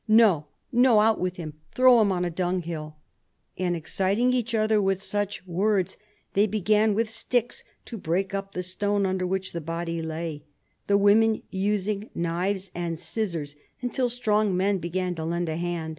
No, no ; out with him ; throw him on a dunghill 1 ' And exciting each other with such words, they began with sticks to break up the stone under which the body lay ; the women using knives and scissors, until strong men began to lend a hand.